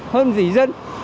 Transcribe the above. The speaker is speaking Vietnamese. hơn dĩ dân